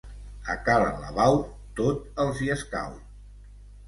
A ca l'Alabau, tot els hi escau.